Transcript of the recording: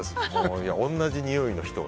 同じにおいの人が。